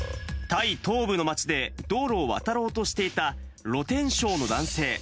タイ東部の町で、道路を渡ろうとしていた露天商の男性。